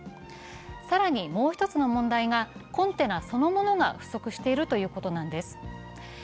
更にもう一つの問題がコンテナそのものが不足しているということなんです。